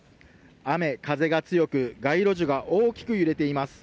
雨、風が強く、街路樹が大きく揺れています。